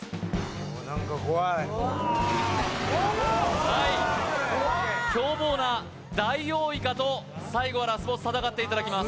何か怖いはい凶暴なダイオウイカと最後はラスボス戦っていただきます